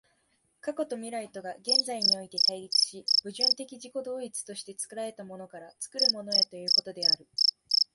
過去と未来とが現在において対立し、矛盾的自己同一として作られたものから作るものへということである。